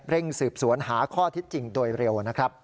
เร่งสืบสวนหาข้อทิศจริงโดยเร็ว